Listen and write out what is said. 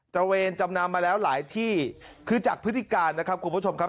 ระเวนจำนำมาแล้วหลายที่คือจากพฤติการนะครับคุณผู้ชมครับ